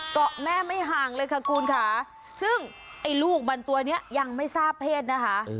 เกาะแม่ไม่ห่างเลยค่ะคุณค่ะซึ่งไอ้ลูกมันตัวนี้ยังไม่ทราบเพศนะคะ